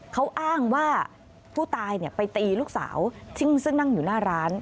เขาอ้างว่าผู้ตายไปตีลูกสาวซึ่งนั่งอยู่หน้าร้าน